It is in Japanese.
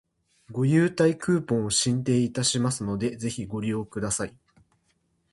ご優待クーポンを進呈いたしますので、ぜひご利用ください